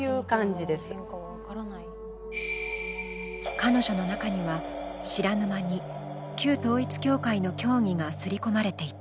彼女の中には知らぬ間に旧統一教会の教義がすりこまれていた。